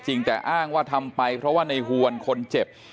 จริงแต่อ้างว่าทำไปเพราะว่าในหวนคนเจ็บ